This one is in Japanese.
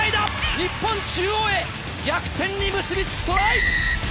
日本中央へ逆転に結び付くトライ！